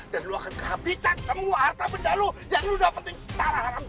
dan lu akan kehabisan semua harta benda lu yang lu dapetin secara haram